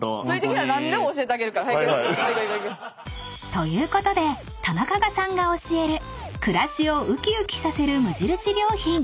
［ということでタナカガさんが教える暮らしを浮き浮きさせる無印良品］